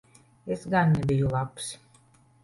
Es gan nebiju labs.